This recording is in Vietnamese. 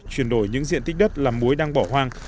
chuyển đổi những diện tích đất làm muối đang bỏ hoang